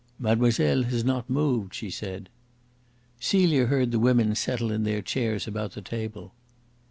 "Mademoiselle has not moved," she said. Celia heard the women settle in their chairs about the table.